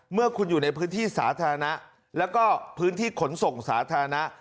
เมื่อคุณอยู่ในพื้นที่สาธารณะแล้วก็พื้นที่ขนส่งสาธารณะ